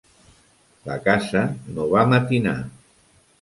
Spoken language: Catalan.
La casa no va matinar.